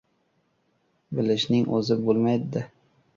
— Bilishning o‘zi bo‘lmaydi-da.